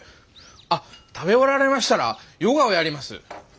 あ食べ終わられましたらヨガをやります。